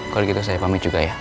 kalau gitu saya pamit juga ya